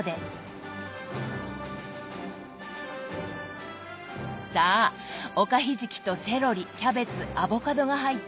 さあおかひじきとセロリキャベツアボカドが入った肉なし餃子。